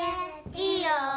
いいよ。